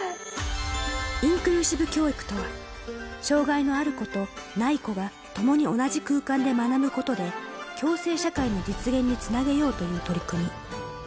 インクルーシブ教育とは、障がいのある子とない子が、共に同じ空間で学ぶことで、共生社会の実現につなげようという取り組み。